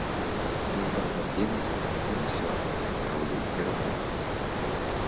Быў там гадзіну, а яны ўсё раўлі і раўлі.